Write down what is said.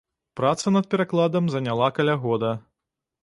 Праца над перакладам заняла каля года.